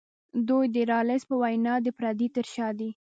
دوی د رالز په وینا د پردې تر شا دي.